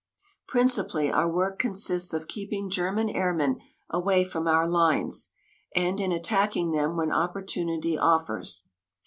Principally our work consists of keeping German airmen away from our lines, and in attacking them when opportunity offers.